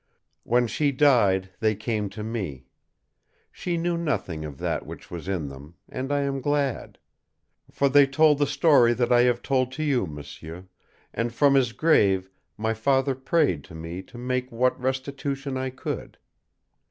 When she died they came to me. She knew nothing of that which was in them, and I am glad. For they told the story that I have told to you, m'sieur, and from his grave my father prayed to me to make what restitution I could.